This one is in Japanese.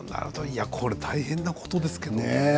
大変なことですけどね。